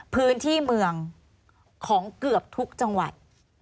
พื้นที่เมืองของเกือบทุกจังหวัด